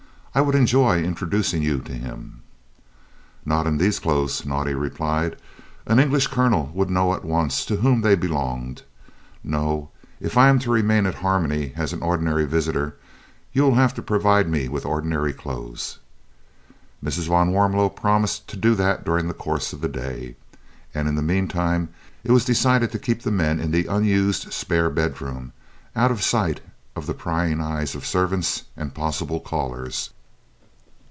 I would enjoy introducing you to him." "Not in these clothes," Naudé replied. "An English colonel would know at once to whom they belonged. No; if I am to remain at Harmony as an ordinary visitor, you will have to provide me with ordinary clothes." Mrs. van Warmelo promised to do that during the course of the day, and in the meantime it was decided to keep the men in the unused spare bedroom, out of sight of the prying eyes of servants and possible callers.